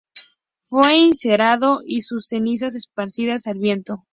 Fue incinerado y sus cenizas esparcidas al viento.